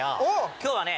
今日はね